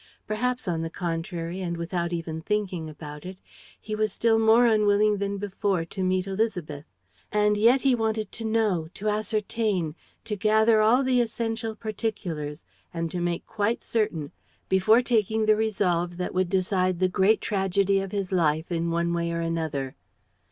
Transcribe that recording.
Perhaps, on the contrary, and without even thinking about it, he was still more unwilling than before to meet Élisabeth. And yet he wanted to know, to ascertain, to gather all the essential particulars and to make quite certain before taking the resolve that would decide the great tragedy of his life in one way or another.